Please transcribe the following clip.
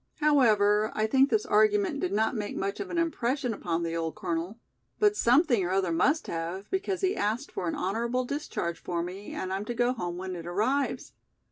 However, I think this argument did not make much of an impression upon the old Colonel, but something or other must have, because he asked for an honorable discharge for me and I'm to go home when it arrives.